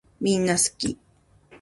みんなすき